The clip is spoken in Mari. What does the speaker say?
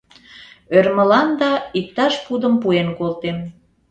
Ӧрмыланда иктаж пудым пуэн колтем.